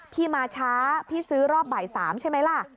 พี่มาช้าพี่ซื้อรอบบ่าย๓ใช่ไหมล่ะ